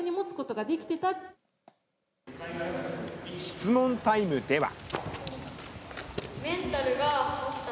質問タイムでは。